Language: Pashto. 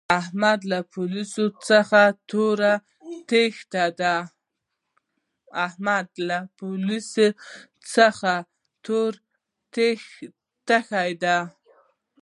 احمد له پوليسو څخه توره تېښته ده.